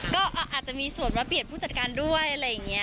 ก็อาจจะมีส่วนมาเปลี่ยนผู้จัดการด้วยอะไรอย่างนี้